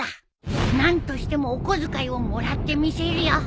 何としてもお小遣いをもらってみせるよ！